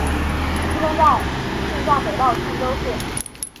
出生在庆尚北道庆州市。